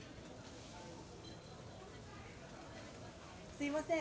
すいません。